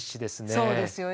そうですよね。